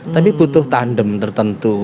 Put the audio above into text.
tapi butuh tandem tertentu